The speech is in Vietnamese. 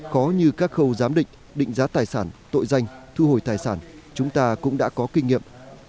khó như các khâu giám định định giá tài sản tội danh thu hồi tài sản chúng ta cũng đã có kinh nghiệm